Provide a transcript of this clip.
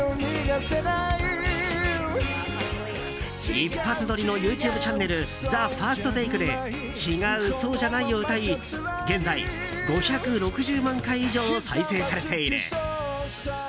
一発撮りのＹｏｕＴｕｂｅチャンネル「ＴＨＥＦＩＲＳＴＴＡＫＥ」で「違う、そうじゃない」を歌い現在５６０万回以上再生されている。